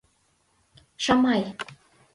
Шамай!